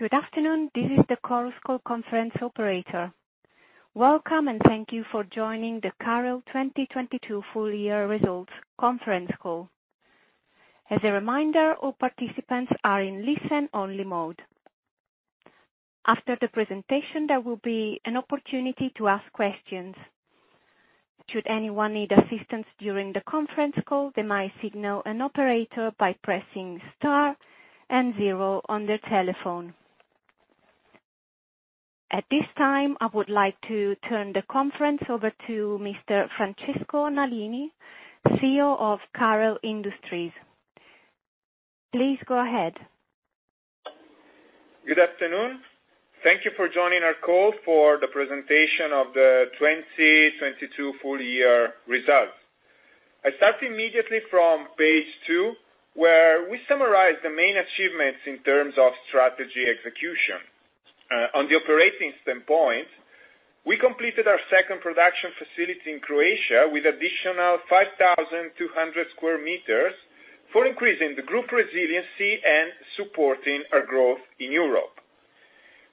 Good afternoon. This is the Chorus Call conference operator. Welcome, and thank you for joining the CAREL 2022 full year results conference call. As a reminder, all participants are in listen-only mode. After the presentation, there will be an opportunity to ask questions. Should anyone need assistance during the conference call, they might signal an operator by pressing star and zero on their telephone. At this time, I would like to turn the conference over to Mr. Francesco Nalini, CEO of CAREL Industries. Please go ahead. Good afternoon. Thank you for joining our call for the presentation of the 2022 full year results. I start immediately from page two, where we summarize the main achievements in terms of strategy execution. On the operating standpoint, we completed our second production facility in Croatia with additional 5,200 sq m. for increasing the group resiliency and supporting our growth in Europe.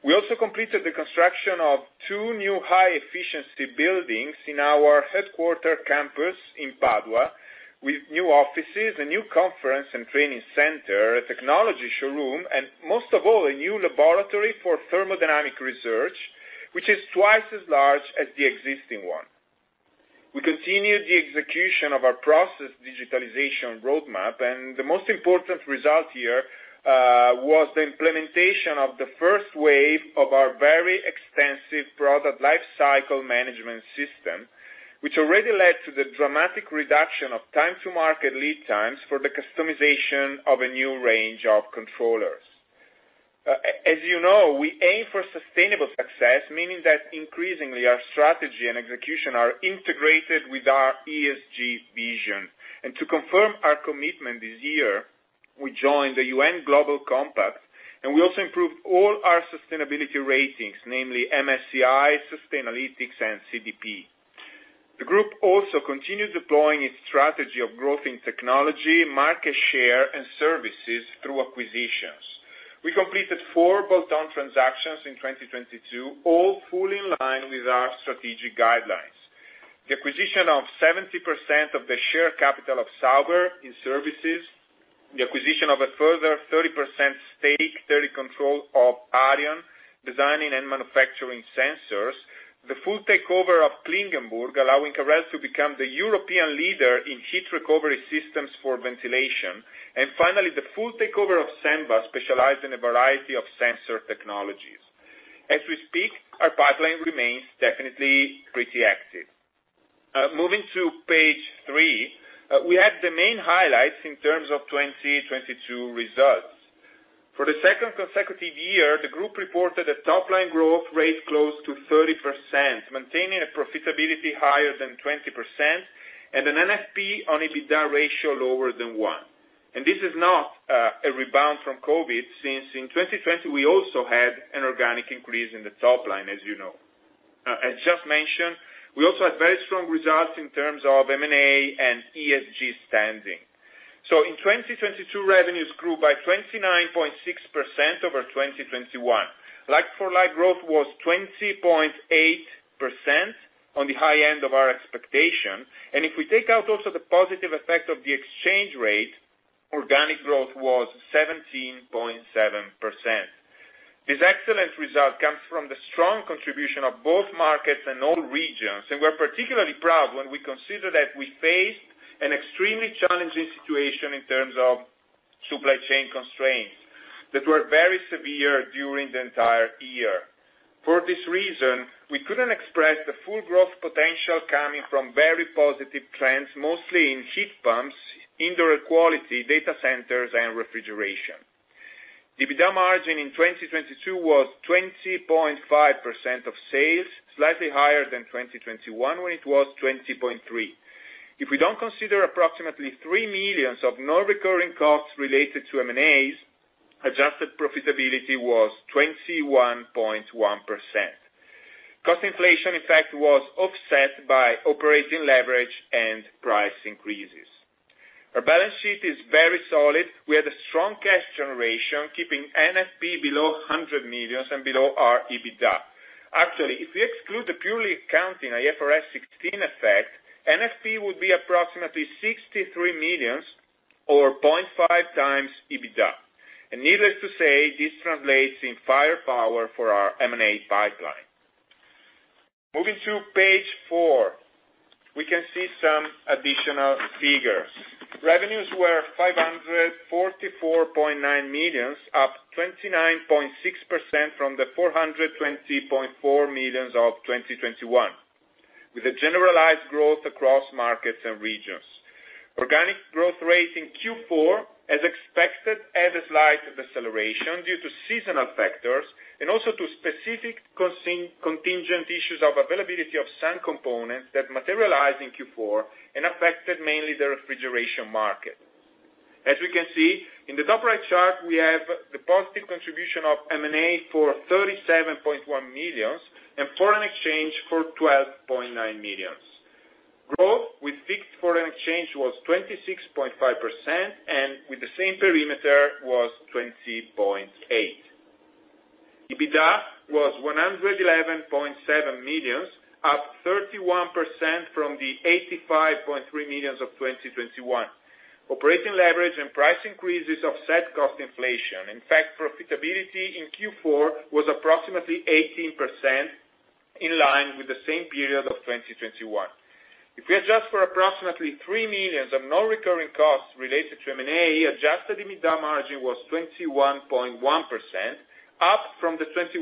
We also completed the construction of two new high efficiency buildings in our headquarter campus in Padua, with new offices, a new conference and training center, a technology showroom, and most of all, a new laboratory for thermodynamic research, which is twice as large as the existing one. We continued the execution of our process digitization roadmap, and the most important result here, was the implementation of the first wave of our very extensive product lifecycle management system, which already led to the dramatic reduction of time to market lead times for the customization of a new range of controllers. As you know, we aim for sustainable success, meaning that increasingly our strategy and execution are integrated with our ESG vision. To confirm our commitment this year, we joined the UN Global Compact, and we also improved all our sustainability ratings, namely MSCI, Sustainalytics, and CDP. The group also continued deploying its strategy of growth in technology, market share, and services through acquisitions. We completed four bolt-on transactions in 2022, all fully in line with our strategic guidelines. The acquisition of 70% of the share capital of Sauber in services, the acquisition of a further 30% stake, 30 control of Arion, designing and manufacturing sensors, the full takeover of Klingenburg, allowing CAREL to become the European leader in heat recovery systems for ventilation, and finally, the full takeover of Senva, specialized in a variety of sensor technologies. As we speak, our pipeline remains definitely pretty active. Moving to page three, we have the main highlights in terms of 2022 results. For the second consecutive year, the group reported a top-line growth rate close to 30%, maintaining a profitability higher than 20% and an NFP on EBITDA ratio lower than one. This is not a rebound from COVID, since in 2020, we also had an organic increase in the top line, as you know. As just mentioned, we also had very strong results in terms of M&A and ESG standing. In 2022, revenues grew by 29.6% over 2021. Like-for-like growth was 20.8% on the high end of our expectation. If we take out also the positive effect of the exchange rate, organic growth was 17.7%. This excellent result comes from the strong contribution of both markets and all regions, and we're particularly proud when we consider that we faced an extremely challenging situation in terms of supply chain constraints that were very severe during the entire year. For this reason, we couldn't express the full growth potential coming from very positive trends, mostly in heat pumps, indoor air quality, data centers, and refrigeration. EBITDA margin in 2022 was 20.5% of sales, slightly higher than 2021, when it was 20.3%. If we don't consider approximately 3 million of non-recurring costs related to M&As, adjusted profitability was 21.1%. Cost inflation, in fact, was offset by operating leverage and price increases. Our balance sheet is very solid. We had a strong cash generation, keeping NFP below 100 million and below our EBITDA. Actually, if we exclude the purely accounting IFRS 16 effect, NFP would be approximately 63 million or 0.5x EBITDA. Needless to say, this translates in firepower for our M&A pipeline. Moving to page four, we can see some additional figures. Revenues were 544.9 million, up 29.6% from the 420.4 million of 2021, with a generalized growth across markets and regions. Organic growth rate in Q4, as expected, had a slight deceleration due to seasonal factors and also to specific contingent issues of availability of some components that materialized in Q4 and affected mainly the refrigeration market. As we can see in the top right chart, we have the positive contribution of M&A for 37.1 million and foreign exchange for 12.9 million. Fixed foreign exchange was 26.5%, and with the same perimeter was 20.8%. EBITDA was 111.7 million, up 31% from the 85.3 million of 2021. Operating leverage and price increases offset cost inflation. Profitability in Q4 was approximately 18%, in line with the same period of 2021. If we adjust for approximately 3 million of non-recurring costs related to M&A, adjusted EBITDA margin was 21.1%, up from the 21%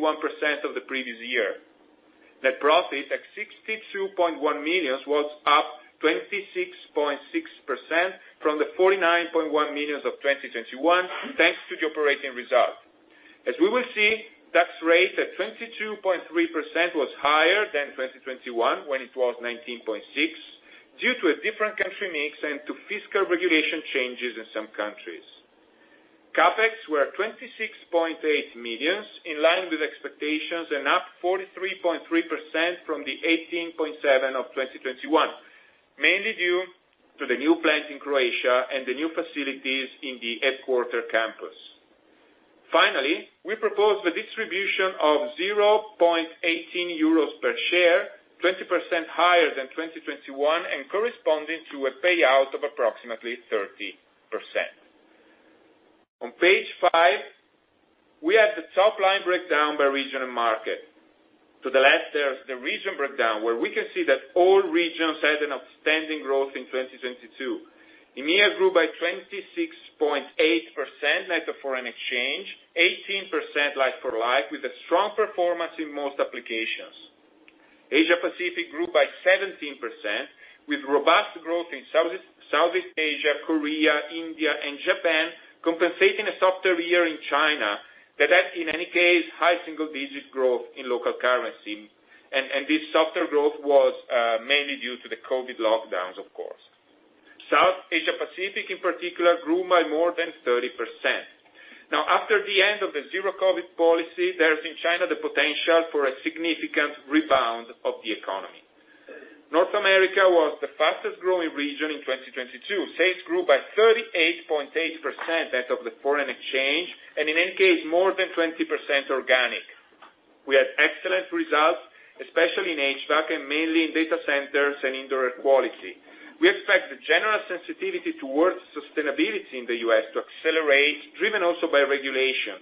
of the previous year. Net profit at 62.1 million was up 26.6% from the 49.1 million of 2021, thanks to the operating result. As we will see, tax rate at 22.3% was higher than 2021, when it was 19.6%, due to a different country mix and to fiscal regulation changes in some countries. CapEx were 26.8 million, in line with expectations and up 43.3% from the 18.7 million of 2021, mainly due to the new plant in Croatia and the new facilities in the headquarter campus. We propose the distribution of 0.18 euros per share, 20% higher than 2021 and corresponding to a payout of approximately 30%. On page five, we have the top line breakdown by region and market. To the left, there's the region breakdown, where we can see that all regions had an outstanding growth in 2022. EMEA grew by 26.8% net of foreign exchange, 18% like-for-like, with a strong performance in most applications. Asia Pacific grew by 17%, with robust growth in Southeast Asia, Korea, India, and Japan compensating a softer year in China, that had, in any case, high single-digit growth in local currency. This softer growth was mainly due to the COVID lockdowns, of course. South Asia Pacific, in particular, grew by more than 30%. After the end of the zero COVID policy, there is, in China, the potential for a significant rebound of the economy. North America was the fastest growing region in 2022. Sales grew by 38.8% net of the foreign exchange, in any case, more than 20% organic. We had excellent results, especially in HVAC and mainly in data centers and indoor air quality. We expect the general sensitivity towards sustainability in the U.S. to accelerate, driven also by regulation.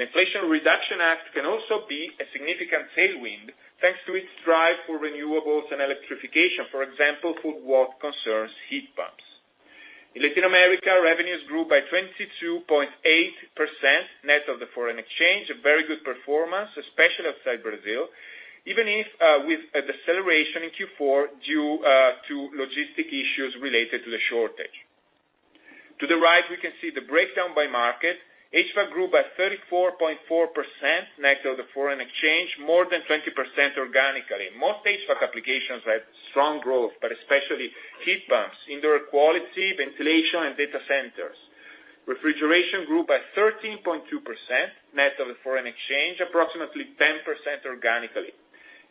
The Inflation Reduction Act can also be a significant tailwind, thanks to its drive for renewables and electrification, for example, for what concerns heat pumps. In Latin America, revenues grew by 22.8% net of the foreign exchange. A very good performance, especially outside Brazil, even if, with a deceleration in Q4 due to logistic issues related to the shortage. To the right, we can see the breakdown by market. HVAC grew by 34.4% net of the foreign exchange, more than 20% organically. Most HVAC applications had strong growth, but especially heat pumps, indoor air quality, ventilation, and data centers. Refrigeration grew by 13.2% net of the foreign exchange, approximately 10% organically.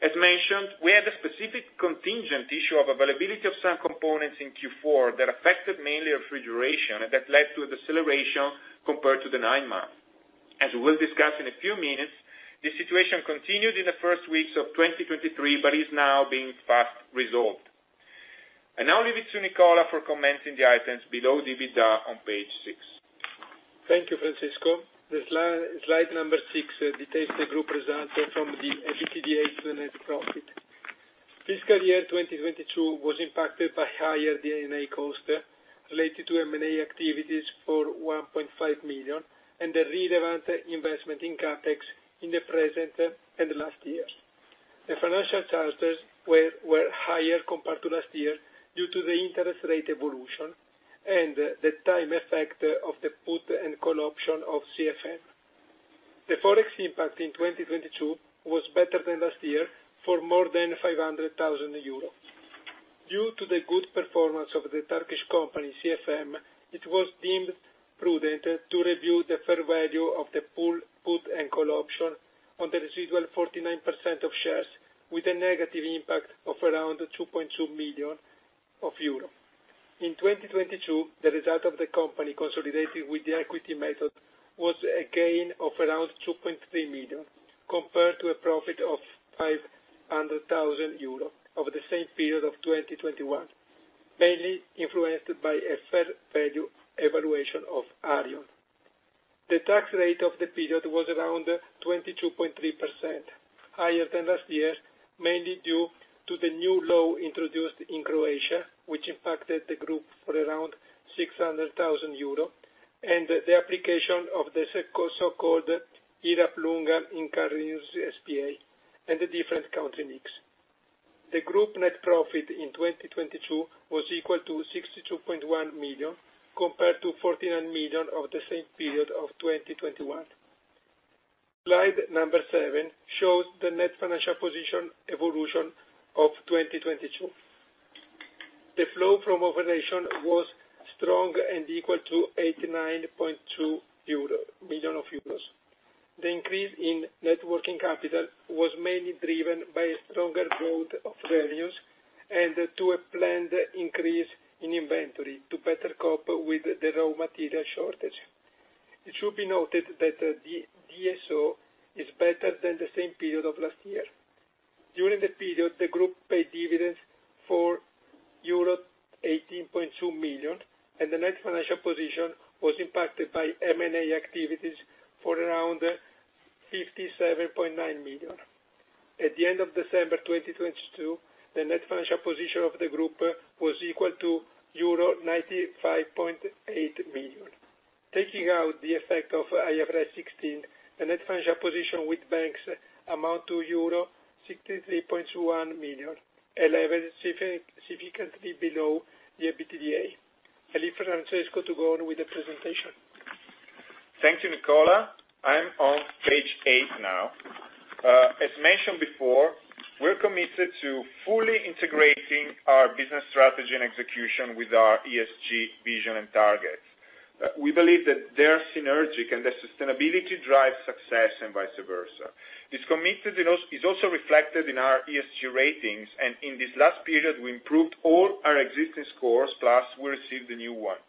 As mentioned, we had a specific contingent issue of availability of some components in Q4 that affected mainly refrigeration, and that led to a deceleration compared to the nine months. As we'll discuss in a few minutes, this situation continued in the first weeks of 2023, but is now being fast resolved. I now leave it to Nicola for commenting the items below the EBITDA on page six. Thank you, Francesco. The slide number six details the group results from the EBITDA to the net profit. Fiscal year 2022 was impacted by higher D&A costs related to M&A activities for 1.5 million and the relevant investment in CapEx in the present and last years. The financial charges were higher compared to last year due to the interest rate evolution and the time effect of the put and call option of CFM. The Forex impact in 2022 was better than last year for more than 500,000 euros. Due to the good performance of the Turkish company, CFM, it was deemed prudent to review the fair value of the put and call option on the residual 49% of shares, with a negative impact of around 2.2 million euro. In 2022, the result of the company consolidated with the equity method was a gain of around 2.3 million, compared to a profit of 500,000 euro over the same period of 2021, mainly influenced by a fair value evaluation of Arion. The tax rate of the period was around 22.3%, higher than last year, mainly due to the new law introduced in Croatia, which impacted the group for around 600,000 euro, and the application of the so-called "IRAP aliquota" in Carel S.p.A., and the different country mix. The group net profit in 2022 was equal to 62.1 million, compared to 49 million over the same period of 2021. Slide number seven shows the net financial position evolution of 2022. The flow from operation was strong and equal to 89.2 million euros. The increase in net working capital was mainly driven by a stronger growth of values and to a planned increase in inventory to better cope with the raw material shortage. It should be noted that the DSO is better than the same period of last year. During the period, the group paid dividends for euro 18.2 million. The net financial position was impacted by M&A activities for around 57.9 million. At the end of December 2022, the net financial position of the group was equal to euro 95.8 million. Taking out the effect of IFRS 16, the net financial position with banks amount to euro 63.1 million, a level significantly below the EBITDA. I leave Francesco to go on with the presentation. Thank you, Nicola. I'm on page eight now. As mentioned before, we're committed to fully integrating our business strategy and execution with our ESG vision and targets. We believe that they are synergic, and the sustainability drives success and vice versa. This commitment is also reflected in our ESG ratings, and in this last period, we improved all our existing scores, plus we received a new one.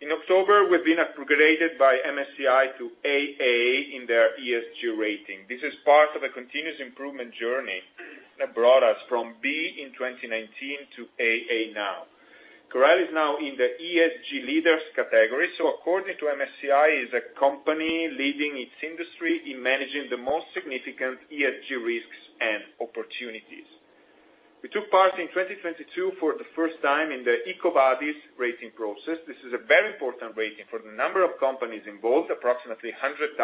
In October, we've been upgraded by MSCI to AA in their ESG rating. This is part of a continuous improvement journey that brought us from B in 2019 to AA now. CAREL is now in the ESG leaders category, so according to MSCI, is a company leading its industry in managing the most significant ESG risks and opportunities. We took part in 2022 for the first time in the EcoVadis rating process. This is a very important rating for the number of companies involved, approximately 100,000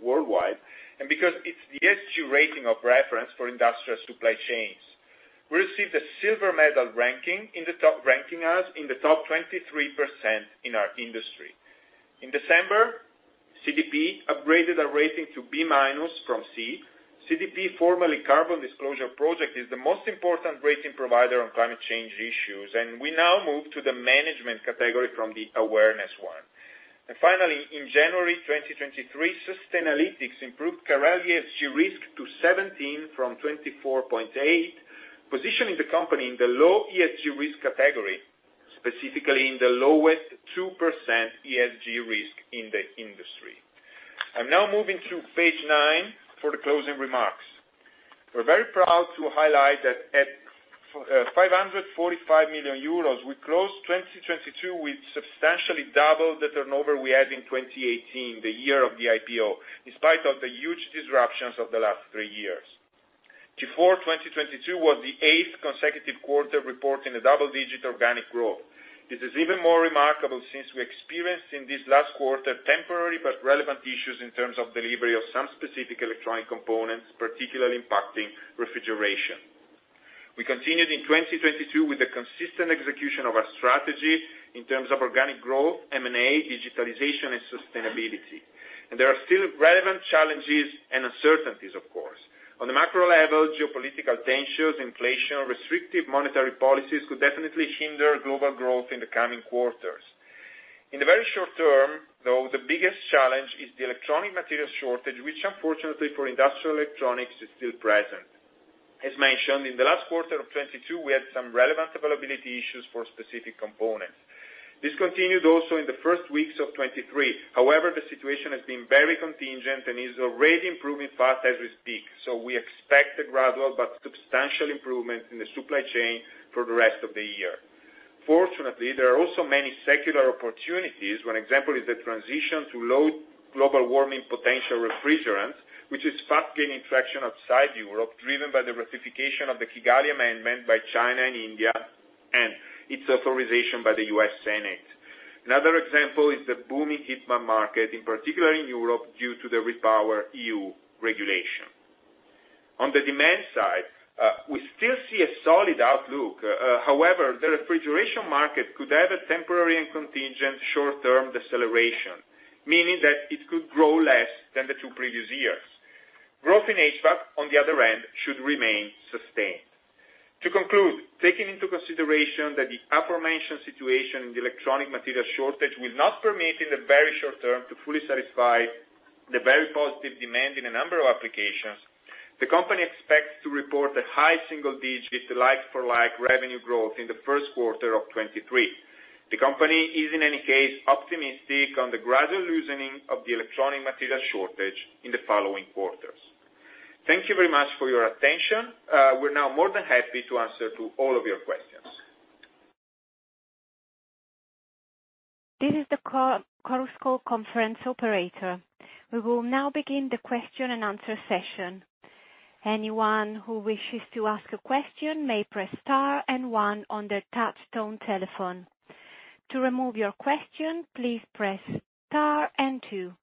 worldwide, because it's the ESG rating of reference for industrial supply chains. We received a silver medal, ranking us in the top 23% in our industry. In December, CDP upgraded our rating to B- from C. CDP, formerly Carbon Disclosure Project, is the most important rating provider on climate change issues. We now move to the management category from the awareness one. Finally, in January 2023, Sustainalytics improved CAREL ESG risk to 17 from 24.8, positioning the company in the low ESG risk category, specifically in the lowest 2% ESG risk in the industry. I'm now moving to page nine for the closing remarks. We're very proud to highlight that at 545 million euros, we closed 2022 with substantially double the turnover we had in 2018, the year of the IPO, despite of the huge disruptions of the last three years. Q4 2022 was the eighth consecutive quarter reporting a double-digit organic growth. This is even more remarkable since we experienced in this last quarter temporary but relevant issues in terms of delivery of some specific electronic components, particularly impacting refrigeration. We continued in 2022 with the consistent execution of our strategy in terms of organic growth, M&A, digitalization, and sustainability. There are still relevant challenges and uncertainties, of course. On the macro level, geopolitical tensions, inflation, restrictive monetary policies could definitely hinder global growth in the coming quarters. In the very short term, though, the biggest challenge is the electronic material shortage, which unfortunately for industrial electronics, is still present. As mentioned, in the last quarter of 2022, we had some relevant availability issues for specific components. This continued also in the first weeks of 2023. The situation has been very contingent and is already improving fast as we speak. We expect a gradual but substantial improvement in the supply chain for the rest of the year. Fortunately, there are also many secular opportunities. One example is the transition to low global warming potential refrigerants, which is fast gaining traction outside Europe, driven by the ratification of the Kigali Amendment by China and India, and its authorization by the U.S. Senate. Another example is the booming heat pump market, in particular in Europe, due to the REPowerEU regulation. On the demand side, we still see a solid outlook. However, the refrigeration market could have a temporary and contingent short-term deceleration, meaning that it could grow less than the two previous years. Growth in HVAC, on the other hand, should remain sustained. To conclude, taking into consideration that the aforementioned situation in the electronic material shortage will not permit in the very short term to fully satisfy the very positive demand in a number of applications, the company expects to report a high single-digit like-for-like revenue growth in the first quarter of 2023. The company is, in any case, optimistic on the gradual loosening of the electronic material shortage in the following quarters. Thank you very much for your attention. We're now more than happy to answer to all of your questions. This is the Chorus Call conference operator. We will now begin the question and answer session. Anyone who wishes to ask a question may press star and one on their touch-tone telephone. To remove your question, please press star and two.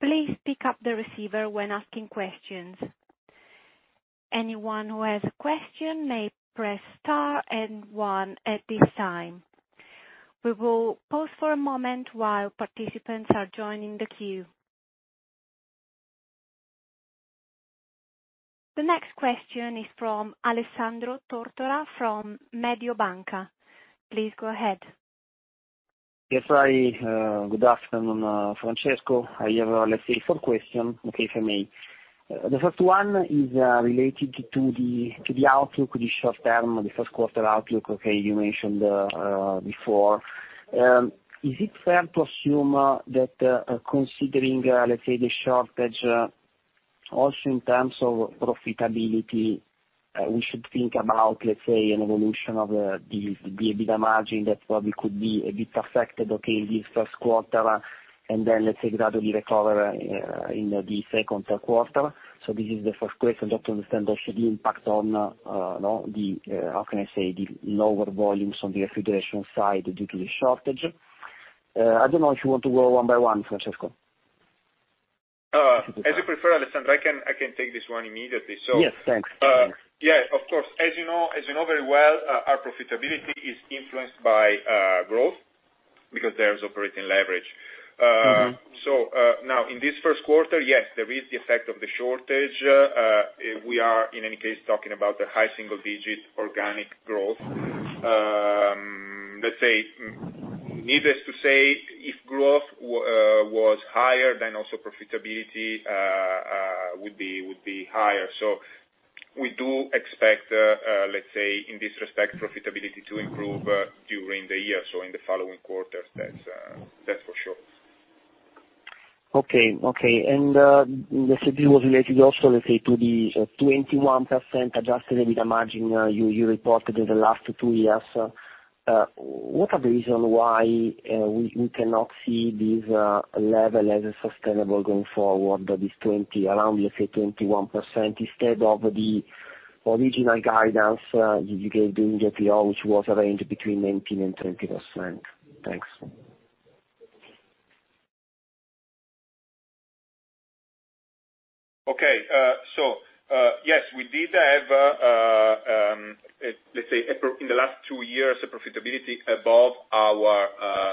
Please pick up the receiver when asking questions. Anyone who has a question may press star and one at this time. We will pause for a moment while participants are joining the queue. The next question is from Alessandro Tortora from Mediobanca. Please go ahead. Yes. Hi, good afternoon, Francesco. I have, let's say four question, okay, if I may. The first one is related to the, to the outlook, the short term, the first quarter outlook, okay, you mentioned before. Is it fair to assume that, considering, let's say, the shortage, also in terms of profitability, we should think about, let's say, an evolution of the EBITDA margin that probably could be a bit affected, okay, in the first quarter, and then, let's say, gradually recover in the second quarter. This is the first question just to understand also the impact on the, how can I say, the lower volumes on the refrigeration side due to the shortage. I don't know if you want to go one by one, Francesco? As you prefer, Alessandro, I can take this one immediately. Yes. Thanks. Yeah, of course. As you know very well, our profitability is influenced by growth because there is operating leverage. Mm-hmm. Now, in this first quarter, yes, there is the effect of the shortage. We are, in any case, talking about the high single-digit organic growth. Let's say, needless to say, if growth was higher, then also profitability would be higher. We do expect, let's say, in this respect, profitability to improve during the year. In the following quarters, that's for sure. Okay. Okay. This was related also, let's say, to the 21% adjusted EBITDA margin you reported in the last two years. What are the reason why we cannot see this level as sustainable going forward, that is around, let's say, 21% instead of the original guidance you gave during the PR, which was arranged between 19% and 20%? Thanks. Okay. Yes, we did have, let's say, in the last two years, a profitability above our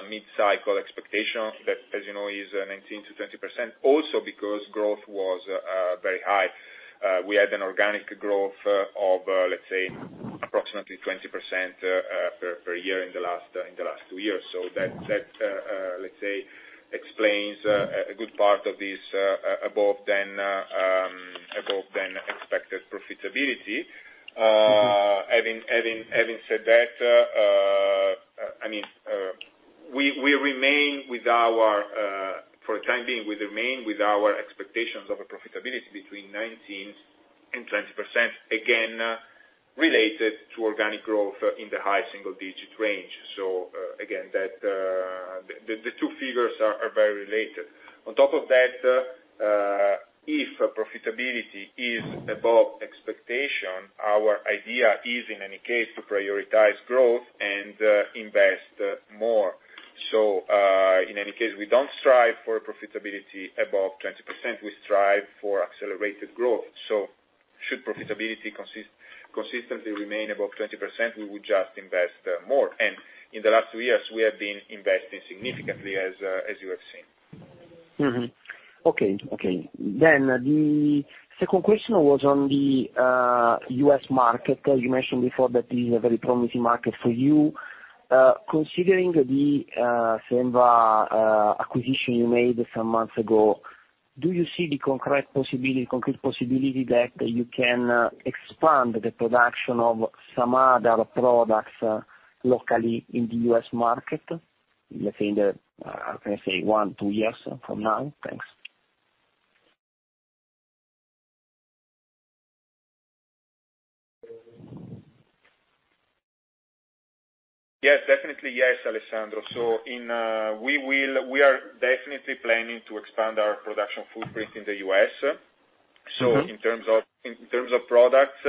mid-cycle expectation. That, as you know, is 19%-20%. Also, because growth was very high, we had an organic growth of, let's say, approximately 20% per year in the last two years. That, let's say, explains a good part of this above then above then expected profitability. Mm-hmm. Having said that, I mean, we remain with our, for the time being, we remain with our expectations of a profitability between 19% and 20%, again, related to organic growth in the high single-digit range. Again, that the two figures are very related. On top of that, if profitability is above expectation, our idea is, in any case, to prioritize growth and invest more. In any case, we don't strive for profitability above 20%. We strive for accelerated growth. Should profitability consistently remain above 20%, we would just invest more. In the last two years, we have been investing significantly, as you have seen. Okay. Okay. The second question was on the U.S. market. As you mentioned before, that is a very promising market for you. Considering the Senva acquisition you made some months ago, do you see the concrete possibility that you can expand the production of some other products locally in the U.S. market, let's say in the how can I say, one, two years from now? Thanks. Yes. Definitely yes, Alessandro. We are definitely planning to expand our production footprint in the U.S.. Mm-hmm. In terms of products,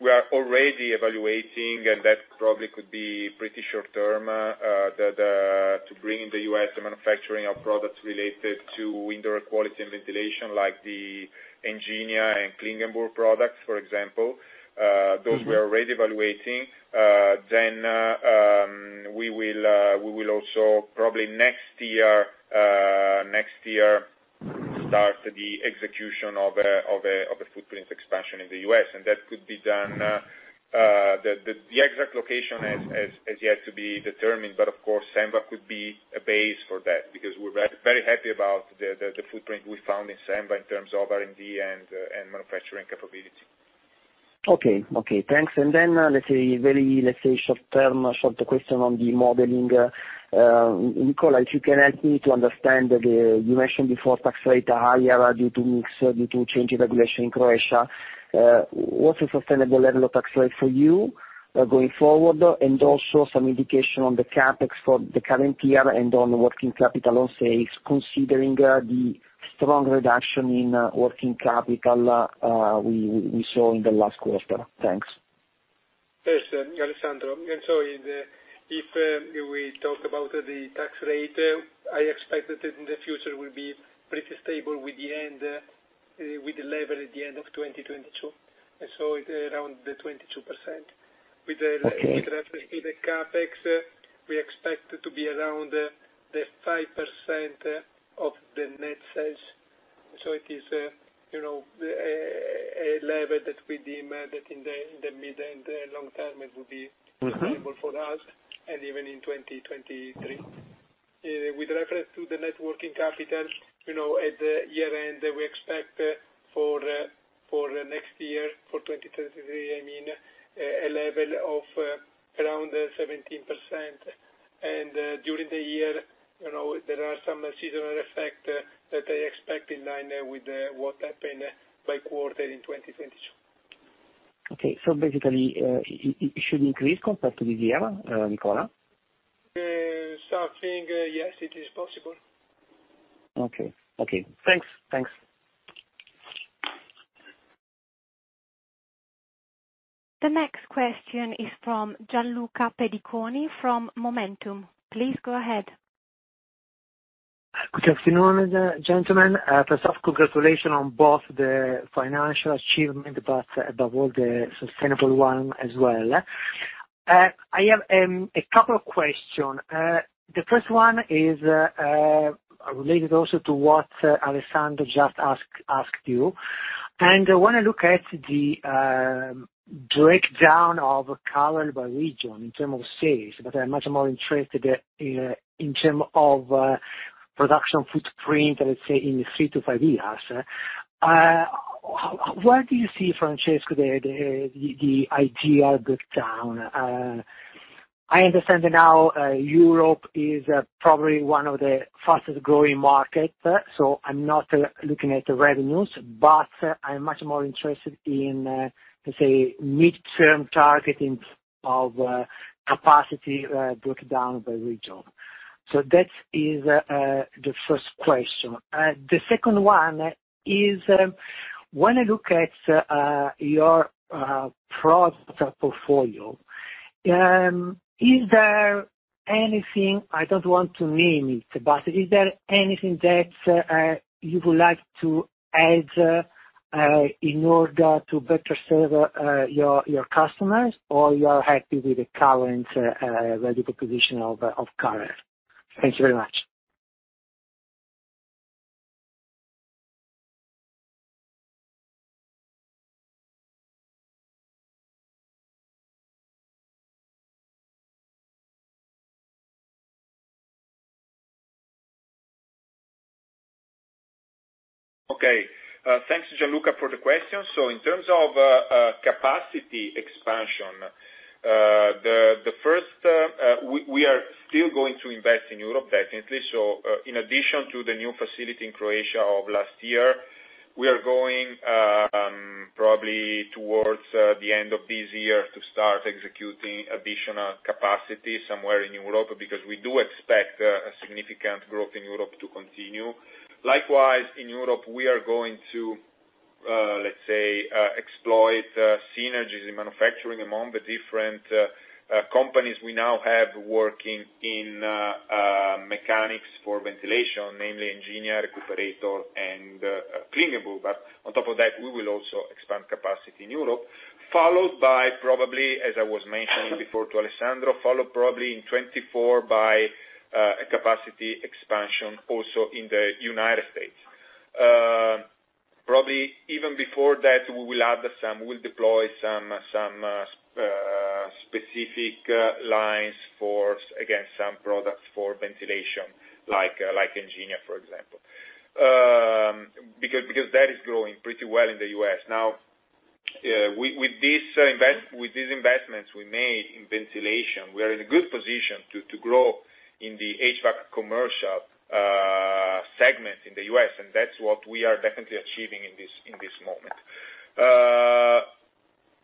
we are already evaluating, and that probably could be pretty short-term, to bring in the U.S. the manufacturing of products related to indoor quality and ventilation, like the Enginia and Klingenburg products, for example. Mm-hmm. Those we are already evaluating. We will also, probably next year, start the execution of a footprint expansion in the U.S. That could be done, the exact location has yet to be determined, but of course, Senva could be a base for that because we're very happy about the footprint we found in Senva in terms of R&D and manufacturing capability. Okay. Thanks. Very short-term, short question on the modeling. Nicola, if you can help me to understand, you mentioned before tax rate are higher due to mix, due to change in regulation in Croatia. What's a sustainable level of tax rate for you, going forward? Some indication on the CapEx for the current year and on net working capital on sales, considering the strong reduction in net working capital we saw in the last quarter. Thanks. Yes, Alessandro. If we talk about the tax rate, I expect that in the future will be pretty stable with the level at the end of 2022, and so around the 22%. With reference to the CapEx, we expect it to be around 5% of the net sales. It is, you know, a level that we demand that in the mid and the long term it will be- Mm-hmm. Available for us, and even in 2023. With reference to the net working capital, you know, at the year-end that we expect for the next year, for 2023, I mean, a level of around 17%. During the year, you know, there are some seasonal effect that I expect in line with what happened by quarter in 2022. Okay. Basically, it should increase compared to this year, Nicola? Something, yes, it is possible. Okay, okay. Thanks. Thanks. The next question is from Gianluca Pediconi from MOMentum. Please go ahead. Good afternoon, gentlemen. First off, congratulations on both the financial achievement, but above all, the sustainable one as well. I have a couple of question. The first one is related also to what Alessandro just asked you, and I wanna look at the breakdown of Carel by region in terms of sales, but I'm much more interested in term of production footprint, let's say, in thre to five years. Where do you see, Francesco, the ideal breakdown? I understand that now Europe is probably one of the fastest-growing market, so I'm not looking at the revenues, but I'm much more interested in, let's say, midterm targeting of capacity breakdown by region. That is the first question. The second one is, when I look at your product portfolio, is there anything... I don't want to name it, but is there anything that you would like to add in order to better serve your customers, or you are happy with the current value proposition of CAREL? Thank you very much. Okay. Thanks, Gianluca, for the question. In terms of capacity expansion, we are still going to invest in Europe, definitely. In addition to the new facility in Croatia of last year, we are going probably towards the end of this year to start executing additional capacity somewhere in Europe, because we do expect a significant growth in Europe to continue. Likewise, in Europe, we are going to, let's say, exploit synergies in manufacturing among the different companies we now have working in mechanics for ventilation, namely Enginia, Recuperator and Klingenburg. On top of that, we will also expand capacity in Europe, followed by probably, as I was mentioning before to Alessandro, followed probably in 2024 by a capacity expansion also in the United States. Probably even before that, we will add some, we'll deploy some specific lines for, again, some products for ventilation, like Enginia, for example. Because that is growing pretty well in the U.S. Now, with these investments we made in ventilation, we are in a good position to grow in the HVAC commercial segment in the U.S., and that's what we are definitely achieving in this moment.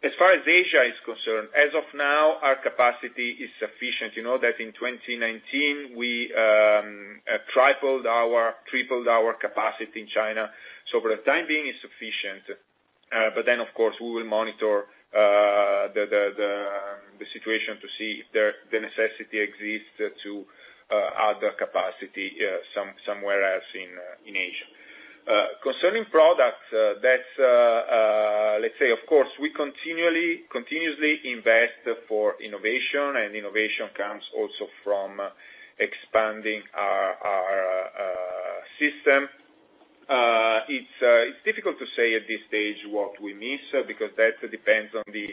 As far as Asia is concerned, as of now, our capacity is sufficient. You know that in 2019, we tripled our capacity in China. For the time being, it's sufficient. Of course, we will monitor the situation to see if the necessity exists to add capacity somewhere else in Asia. Concerning products, that's, of course, we continuously invest for innovation, and innovation comes also from expanding our system. It's difficult to say at this stage what we miss because that depends on the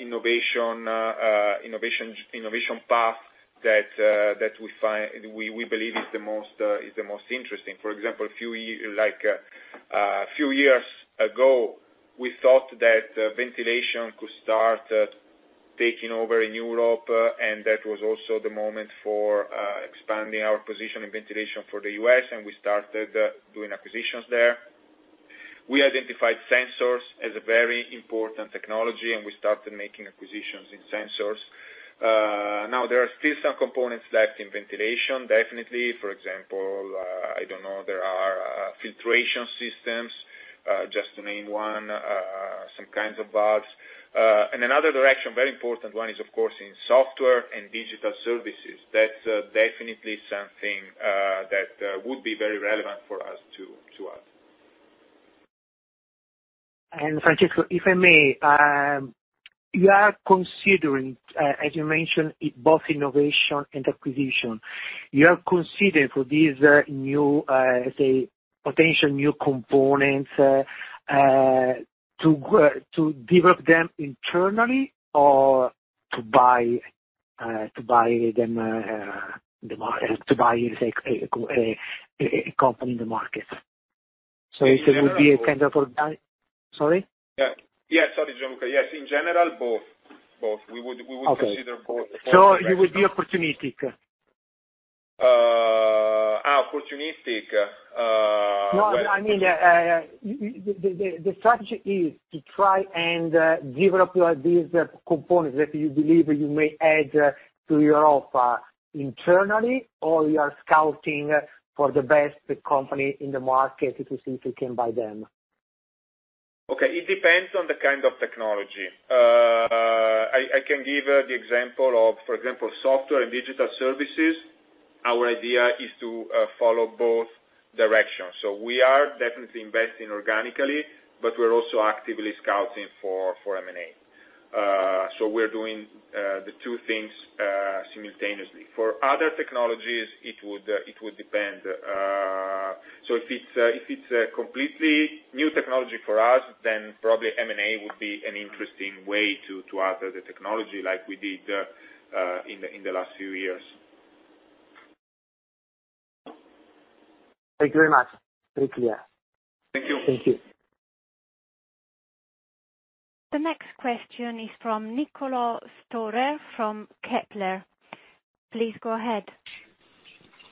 innovation path that we believe is the most interesting. For example, a few years ago, we thought that ventilation could start taking over in Europe, and that was also the moment for expanding our position in ventilation for the U.S., and we started doing acquisitions there. We identified sensors as a very important technology, and we started making acquisitions in sensors. Now there are still some components left in ventilation, definitely. For example, I don't know, there are filtration systems, just to name one, some kinds of bugs. Another direction, very important one is, of course, in software and digital services. That's definitely something that would be very relevant for us to explore. Francesco, if I may, you are considering, as you mentioned, both innovation and acquisition. You are considering for these new, say, potential new components, to develop them internally or to buy them, say, a company in the market? Yeah. Sorry? Yeah. Sorry, Gianluca. Yes. In general, both. Both. We would consider both You would be opportunistic? Opportunistic No, I mean, the strategy is to try and develop your, these components that you believe you may add to your offer internally, or you are scouting for the best company in the market to see if you can buy them. Okay. It depends on the kind of technology. I can give the example of, for example, software and digital services. Our idea is to follow both directions. We are definitely investing organically, but we're also actively scouting for M&A. We're doing the two things simultaneously. For other technologies, it would depend. If it's a completely new technology for us, then probably M&A would be an interesting way to enter the technology like we did in the last few years. Thank you very much. Very clear. Thank you. Thank you. The next question is from Niccolo' Storer from Kepler. Please go ahead.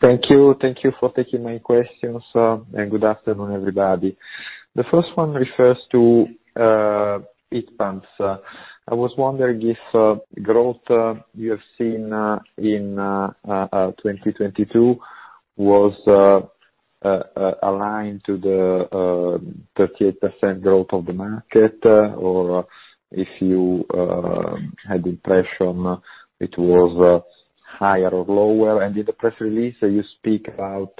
Thank you. Thank you for taking my questions, and good afternoon, everybody. The first one refers to heat pumps. I was wondering if growth you have seen in 2022 was aligned to the 38% growth of the market, or if you had the impression it was higher or lower. In the press release you speak about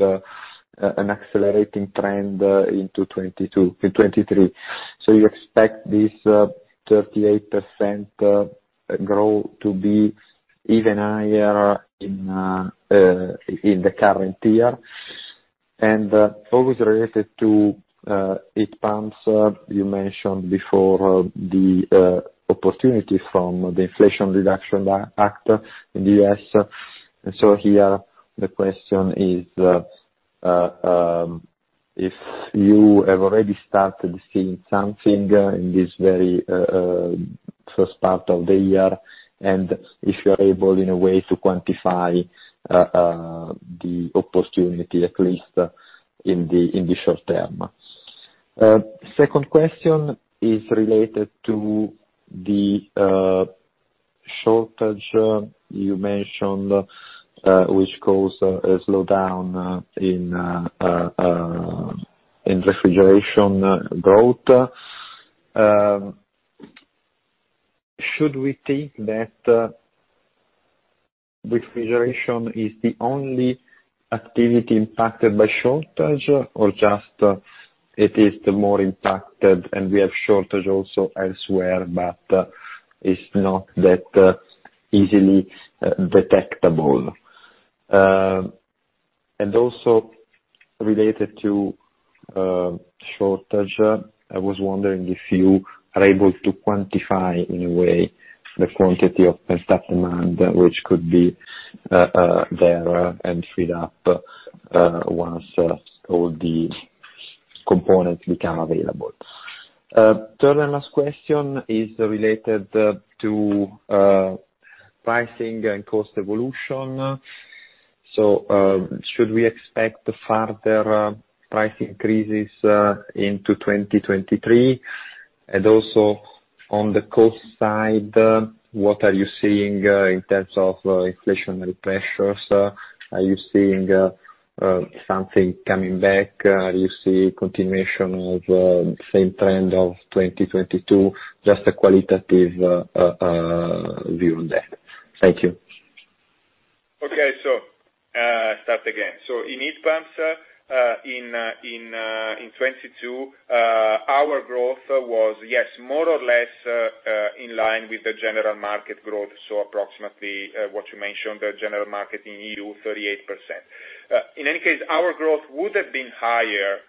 an accelerating trend into 2022-2023. You expect this 38% growth to be even higher in the current year. Always related to heat pumps, you mentioned before the opportunity from the Inflation Reduction Act in the U.S.. Here the question is, if you have already started seeing something in this very first part of the year, and if you are able, in a way, to quantify the opportunity, at least, in the short term. Second question is related to the shortage you mentioned, which caused a slowdown in refrigeration growth. Should we think that refrigeration is the only activity impacted by shortage or just it is the more impacted and we have shortage also elsewhere, but it's not that easily detectable? Also related to shortage, I was wondering if you are able to quantify, in a way, the quantity of pent-up demand which could be there and freed up once all the components become available. Third and last question is related to pricing and cost evolution. Should we expect further price increases into 2023? Also on the cost side, what are you seeing in terms of inflationary pressures? Are you seeing something coming back? You see continuation of same trend of 2022? Just a qualitative view on that. Thank you. Okay. Start again. In heat pumps in 2022, our growth was more or less in line with the general market growth, approximately what you mentioned, the general market in EU, 38%. In any case, our growth would have been higher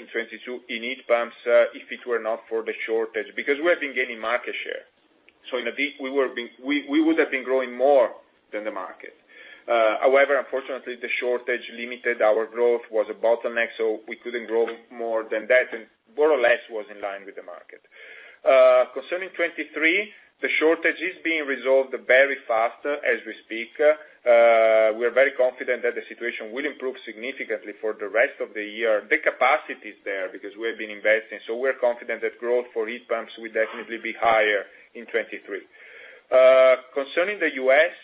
in 2022 in heat pumps if it were not for the shortage, because we have been gaining market share. We would have been growing more than the market. However, unfortunately the shortage limited our growth, was a bottleneck, so we couldn't grow more than that, and more or less was in line with the market. Concerning 2023, the shortage is being resolved very fast as we speak. We are very confident that the situation will improve significantly for the rest of the year. The capacity is there because we have been investing, so we're confident that growth for heat pumps will definitely be higher in 2023. Concerning the U.S.,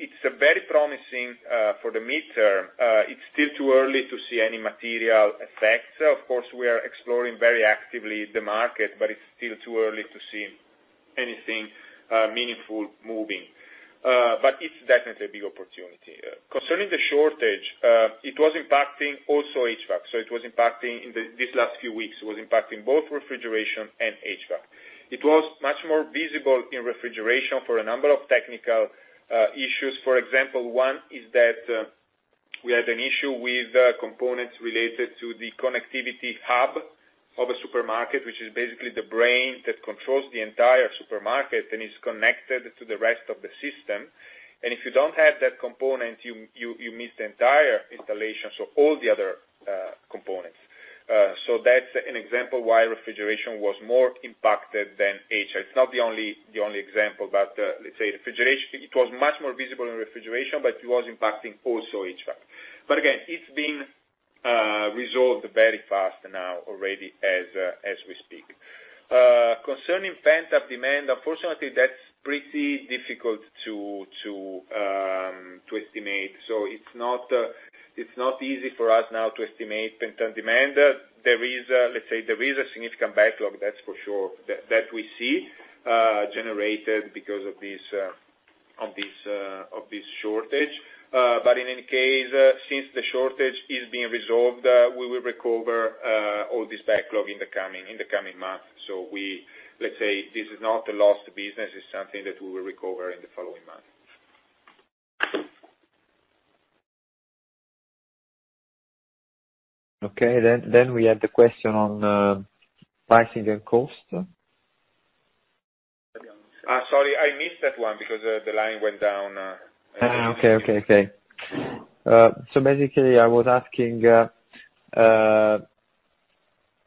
it's very promising for the mid-term. It's still too early to see any material effects. Of course, we are exploring very actively the market, but it's still too early to see anything meaningful moving. But it's definitely a big opportunity. Concerning the shortage, it was impacting also HVAC. It was impacting these last few weeks, it was impacting both refrigeration and HVAC. It was much more visible in refrigeration for a number of technical issues. For example, one is that we had an issue with the components related to the connectivity hub of a supermarket, which is basically the brain that controls the entire supermarket and is connected to the rest of the system. If you don't have that component, you miss the entire installation, so all the other components. That's an example why refrigeration was more impacted than HVAC. It's not the only example, but let's say refrigeration. It was much more visible in refrigeration, but it was impacting also HVAC. Again, it's being resolved very fast now already as we speak. Concerning pent-up demand, unfortunately, that's pretty difficult to estimate. It's not, it's not easy for us now to estimate pent-up demand. There is, let's say, there is a significant backlog, that's for sure, that we see generated because of this shortage. In any case, since the shortage is being resolved, we will recover all this backlog in the coming months. Let's say this is not a lost business. It's something that we will recover in the following months. Okay. Then we had the question on pricing and cost. Sorry, I missed that one because, the line went down. Okay, okay. Basically, I was asking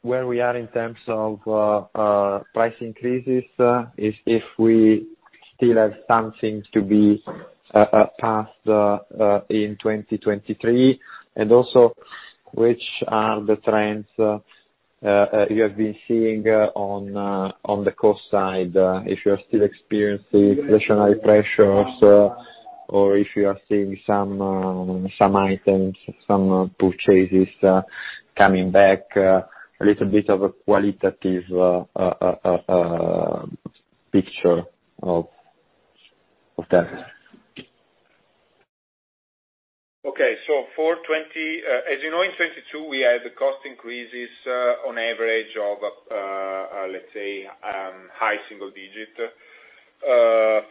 where we are in terms of price increases, if we still have something to be passed in 2023. Also, which are the trends you have been seeing on the cost side, if you are still experiencing inflationary pressures, or if you are seeing some items, some purchases coming back, a little bit of a qualitative picture of that. Okay. As you know, in 2022, we had the cost increases on average of, let's say, high single digit.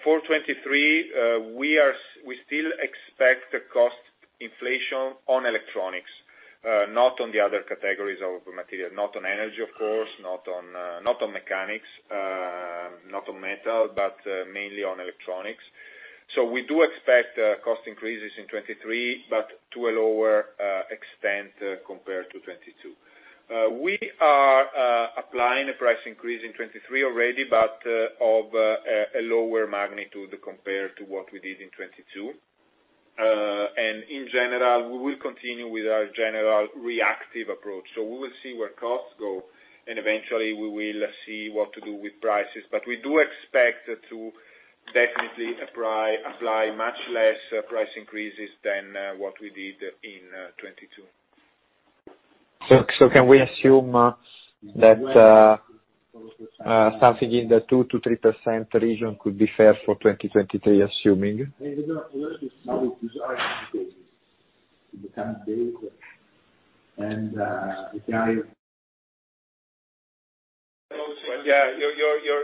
For 2023, we still expect the cost inflation on electronics, not on the other categories of material. Not on energy, of course, not on mechanics, not on metal, but mainly on electronics. We do expect cost increases in 2023, but to a lower extent compared to 2022. We are applying a price increase in 2023 already, but of a lower magnitude compared to what we did in 2022. In general, we will continue with our general reactive approach. We will see where costs go, eventually we will see what to do with prices. We do expect to definitely apply much less price increases than what we did in 2022. Can we assume that something in the 2%-3% region could be fair for 2023, assuming? Yeah.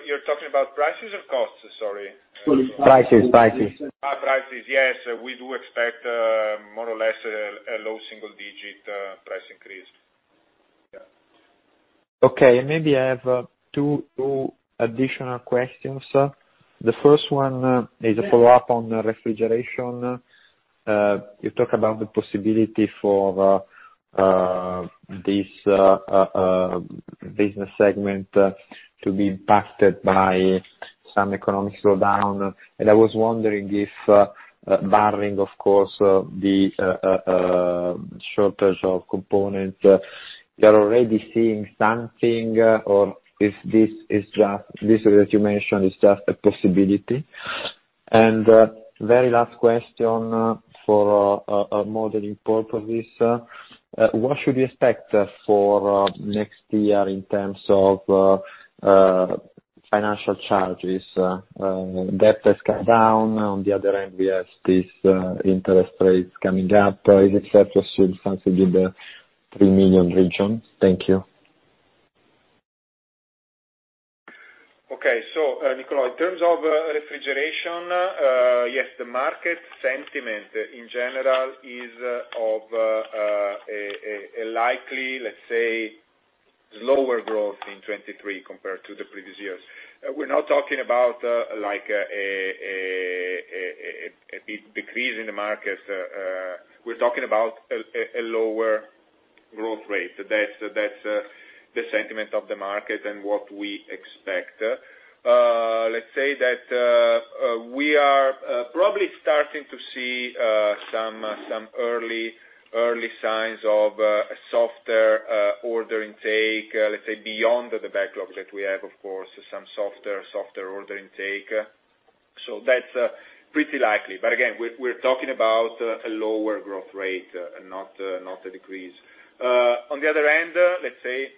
You're talking about prices or costs? Sorry. Prices. Prices. Yes. We do expect, more or less, a low single digit price increase. Yeah. Okay, maybe I have two additional questions. The first one is a follow-up on refrigeration. You talk about the possibility for this business segment to be impacted by some economic slowdown. I was wondering if, barring, of course, the shortage of components, you're already seeing something or if this that you mentioned is just a possibility. Very last question for a modeling purposes. What should we expect for next year in terms of financial charges? Debt has come down. On the other hand, we have this interest rates coming up. Is it fair to assume something in the 3 million region? Thank you. Okay. Niccolo, in terms of refrigeration, yes, the market sentiment in general is of a likely, let's say, lower growth in 23 compared to the previous years. We're not talking about a decrease in the markets. We're talking about a lower growth rate. That's the sentiment of the market and what we expect. Let's say that we are probably starting to see some early signs of a softer order intake, let's say beyond the backlog that we have, of course. Some softer order intake. That's pretty likely. Again, we're talking about a lower growth rate and not a decrease. On the other end, let's say,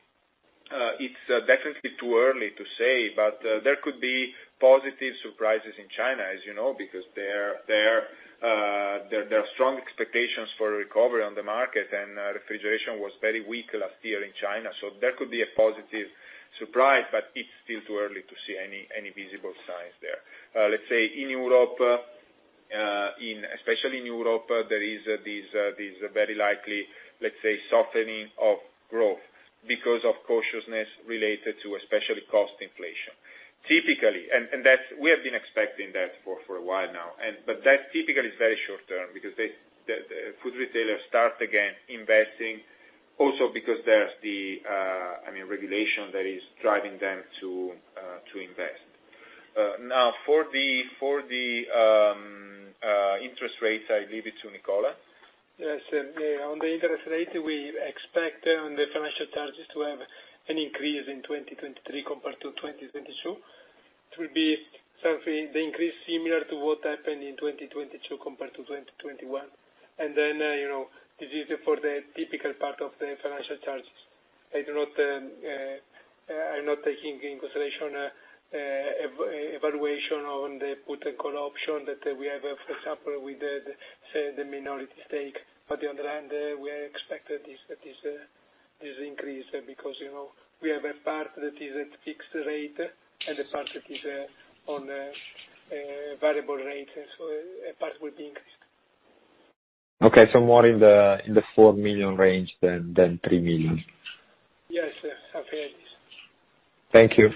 it's definitely too early to say, but there could be positive surprises in China, as you know, because there are strong expectations for a recovery on the market, and refrigeration was very weak last year in China. There could be a positive surprise, but it's still too early to see any visible signs there. Let's say in Europe, especially in Europe, there is this very likely, let's say, softening of growth because of cautiousness related to especially cost inflation. We have been expecting that for a while now. That typically is very short-term because the food retailers start again investing also because there's the, I mean, regulation that is driving them to invest. For the interest rates, I leave it to Nicola. Yes. On the interest rate, we expect the financial charges to have an increase in 2023 compared to 2022. It will be the increase similar to what happened in 2022 compared to 2021. You know, this is for the typical part of the financial charges. I do not, I'm not taking in consideration evaluation on the put and call option that we have, for example, with the, say, the minority stake. We expect that this increase, because, you know, we have a part that is at fixed rate, and a part that is on a variable rate, a part will be increased. Okay. more in the 4 million range than 3 million. Yes, sir. Something like this. Thank you.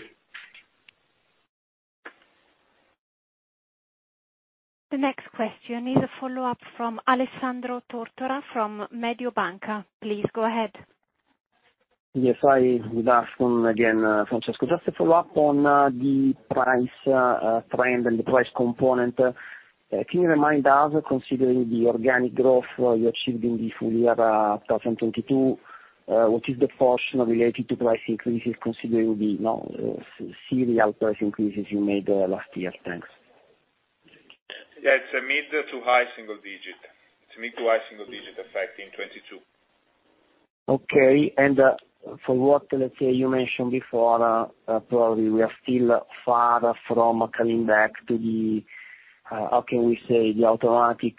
The next question is a follow-up from Alessandro Tortora from Mediobanca. Please go ahead. Yes. I would ask from again, Francesco, just a follow-up on the price trend and the price component. Can you remind us, considering the organic growth you achieved in the full year 2022, what is the portion related to price increases considering the serial price increases you made last year? Thanks. Yeah. It's a mid to high single digit. It's mid to high single digit effect in 2022. Okay. From what, let's say, you mentioned before, probably we are still far from coming back to the, how can we say, the automatic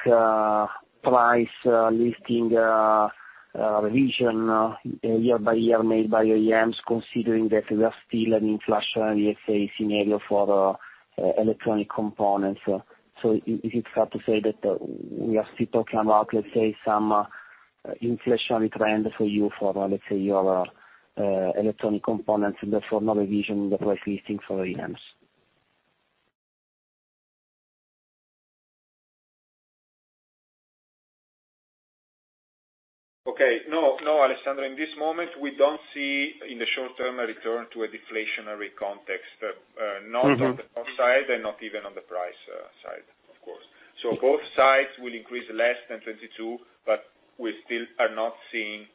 price listing revision year by year made by your OEMs, considering that we are still an inflationary, let's say, scenario for electronic components. Is it fair to say that we are still talking about, let's say, some inflationary trend for you for, let's say, your electronic components and therefore no revision in the price listing for OEMs? Okay. No, no, Alessandro. In this moment, we don't see in the short term a return to a deflationary context. Mm-hmm. Not on the cost side and not even on the price side, of course. Both sides will increase less than 22, we still are not seeing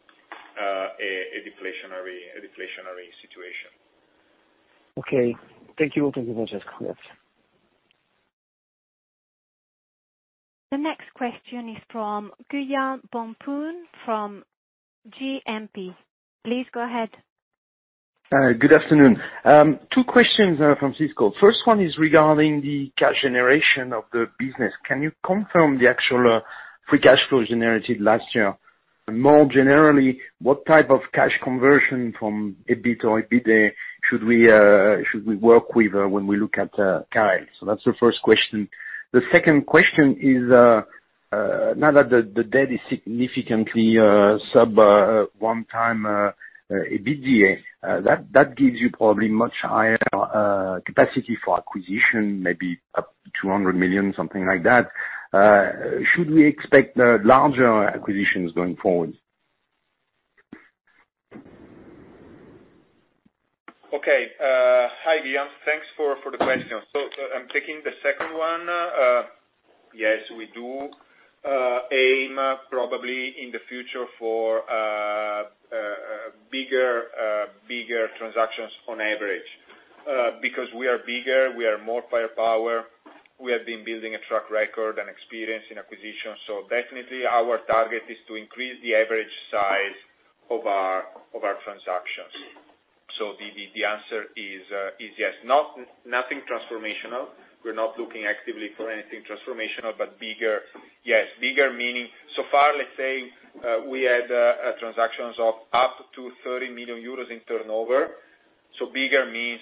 a deflationary situation. Okay. Thank you. Thank you, Francesco. Yes. The next question is from Gian Bompun from GMP. Please go ahead. Good afternoon. Two questions, Francesco. First one is regarding the cash generation of the business. Can you confirm the actual free cash flow generated last year? More generally, what type of cash conversion from EBIT or EBITDA should we work with when we look at CAREL? That's the first question. The second question is now that the debt is significantly sub one time EBITDA, that gives you probably much higher capacity for acquisition, maybe up to 200 million, something like that. Should we expect larger acquisitions going forward? Okay. Hi, Gian. Thanks for the question. I'm taking the second one. Yes, we do aim probably in the future for bigger transactions on average. Because we are bigger, we are more firepower. We have been building a track record and experience in acquisitions. Definitely our target is to increase the average size of our transactions. The answer is yes. Nothing transformational. We're not looking actively for anything transformational, but bigger, yes. Bigger meaning so far, let's say, we had transactions of up to 30 million euros in turnover. Bigger means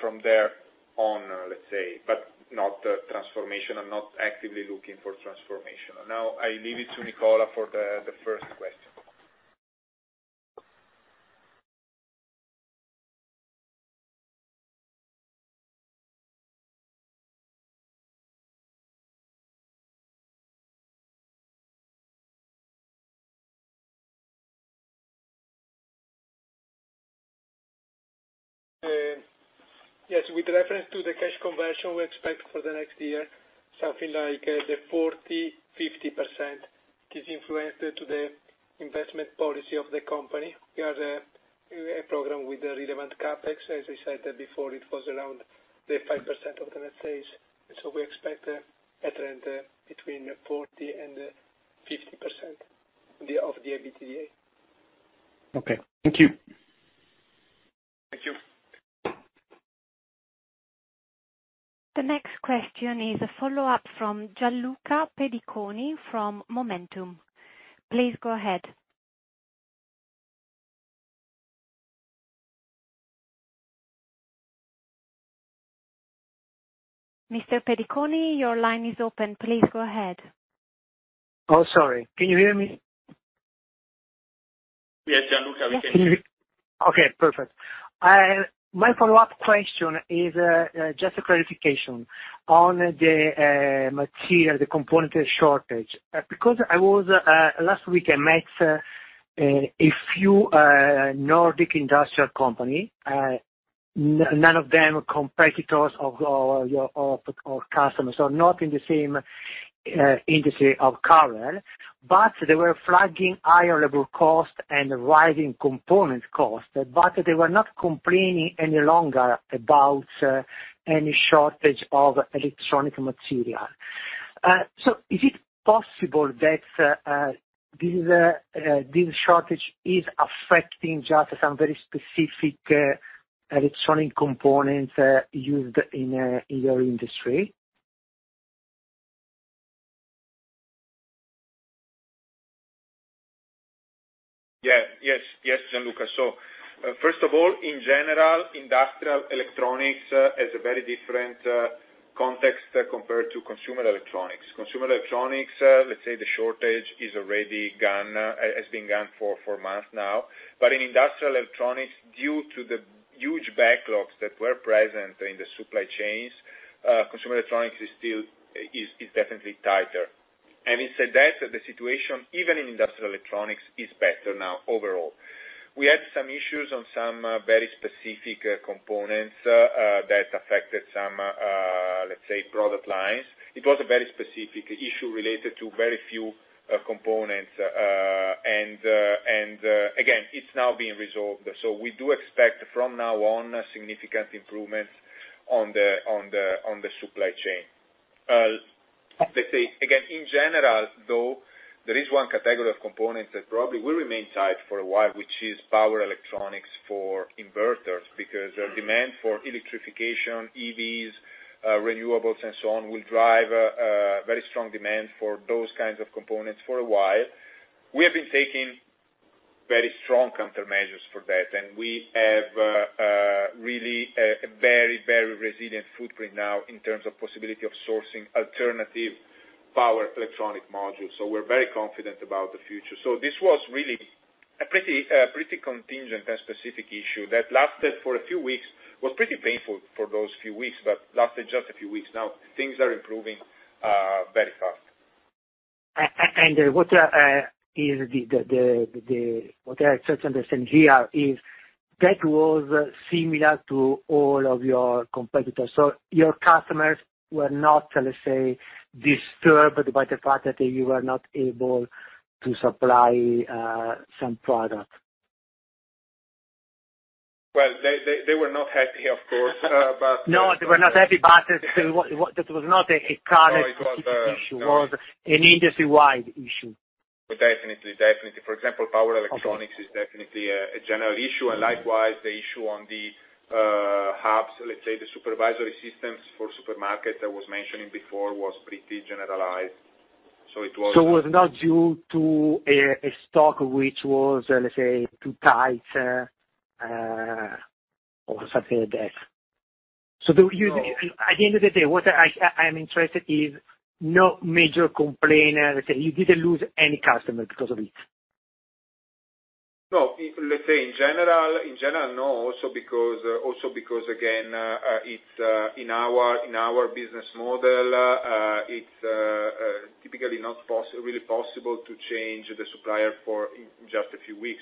from there on, let's say, but not transformation. I'm not actively looking for transformation. Now, I leave it to Nicola for the first question. Yes. With reference to the cash conversion, we expect for the next year, something like the 40%-50%. This influenced to the investment policy of the company. We have, we have program with the relevant CapEx. As we said before, it was around the 5% of the net sales. We expect a trend between 40% and 50% of the, of the EBITDA. Okay. Thank you. Thank you. The next question is a follow-up from Gianluca Pediconi from MOMentum. Please go ahead. Mr. Pediconi, your line is open. Please go ahead. Oh, sorry. Can you hear me? Yes, Gianluca, we can. Okay, perfect. My follow-up question is just a clarification on the material, the component shortage. Last week, I met a few Nordic Industrial Company. None of them competitors of or customers, so not in the same industry of CAREL, but they were flagging higher labor costs and rising component costs, but they were not complaining any longer about any shortage of electronic material. Is it possible that this shortage is affecting just some very specific electronic components used in your industry? Yeah. Yes. Yes, Gianluca. First of all, in general, industrial electronics is a very different context compared to consumer electronics. Consumer electronics, let's say the shortage is already gone, has been gone for months now. In industrial electronics, due to the huge backlogs that were present in the supply chains, consumer electronics is still definitely tighter. Inside that, the situation, even in industrial electronics, is better now overall. We had some issues on some very specific components that affected some, let's say, product lines. It was a very specific issue related to very few components. And again, it's now being resolved. We do expect from now on a significant improvements on the supply chain. Let's say, again, in general, though, there is one category of components that probably will remain tight for a while, which is power electronics for inverters. The demand for electrification, EVs, renewables and so on, will drive very strong demand for those kinds of components for a while. We have been taking very strong countermeasures for that, and we have really a very, very resilient footprint now in terms of possibility of sourcing alternative power electronic modules. We're very confident about the future. This was really a pretty contingent and specific issue that lasted for a few weeks. Was pretty painful for those few weeks, but lasted just a few weeks. Things are improving very fast. What I try to understand here is that was similar to all of your competitors. Your customers were not, let's say, disturbed by the fact that you were not able to supply some product. Well, they were not happy, of course. No, they were not happy, but that was not a CAREL specific issue. No, it was, No. It was an industry-wide issue. Definitely. For example, power electronics. Okay. Is definitely a general issue. Likewise, the issue on the hubs, let's say the supervisory systems for supermarkets I was mentioning before was pretty generalized. It was not due to a stock which was, let's say, too tight, or something like that. No. At the end of the day, what I am interested is no major complainer, let's say you didn't lose any customer because of it. No. Let's say, in general, in general, no. Also because again, it's in our business model, it's typically not really possible to change the supplier for, in just a few weeks.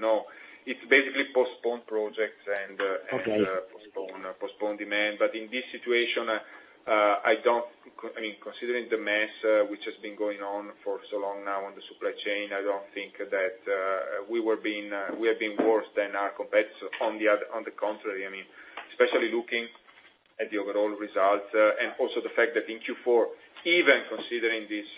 No. It's basically postponed projects. Okay. Postponed demand. In this situation, I mean, considering the mess, which has been going on for so long now on the supply chain, I don't think that we were being, we have been worse than our competitors. On the contrary, I mean, especially looking at the overall results, and also the fact that in Q4, even considering this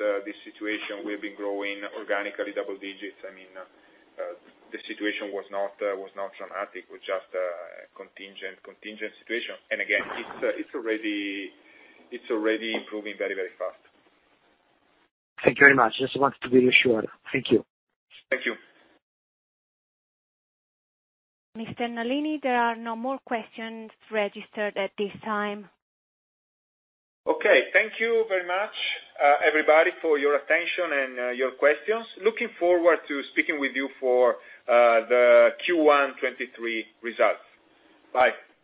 situation, we've been growing organically double digits. I mean, the situation was not traumatic. It was just a contingent situation. Again, it's already improving very, very fast. Thank you very much. Just wanted to be assured. Thank you. Thank you. Mr. Nalini, there are no more questions registered at this time. Okay. Thank you very much, everybody, for your attention and, your questions. Looking forward to speaking with you for, the Q1 2023 results. Bye.